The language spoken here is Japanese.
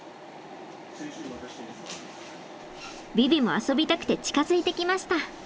ヴィヴィも遊びたくて近づいてきました。